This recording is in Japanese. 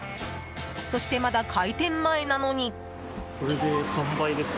そして、まだ開店前なのに。